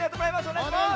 おねがいします。